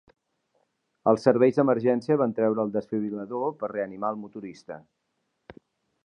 Els serveis d'emergència van treure el desfibril·lador per reanimar el motorista.